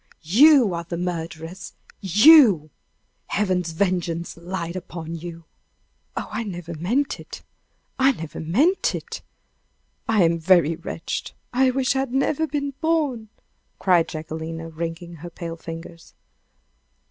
You are the murderess you! Heaven's vengeance light upon you!" "Oh, I never meant it! I never meant it! I am very wretched! I wish I'd never been born!" cried Jacquelina, wringing her pale fingers.